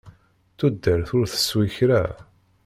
Tudert ur teswi kra.